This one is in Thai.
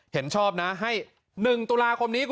เห็นชอบนะให้๑ตุลาคมนี้